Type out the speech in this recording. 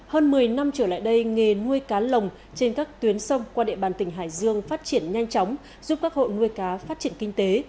hơn một mươi năm trở lại đây nghề nuôi cá lồng trên các tuyến sông qua địa bàn tỉnh hải dương phát triển nhanh chóng giúp các hộ nuôi cá phát triển kinh tế